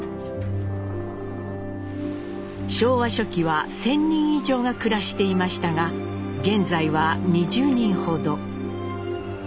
昭和初期は１，０００人以上が暮らしていましたが現在は２０人ほど。